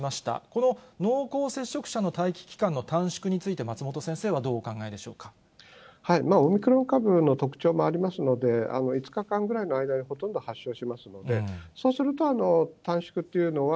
この濃厚接触者の待機期間の短縮について、松本先生はどうお考えオミクロン株の特徴もありますので、５日間ぐらいの間でほとんど発症しますので、そうすると、短縮というのは、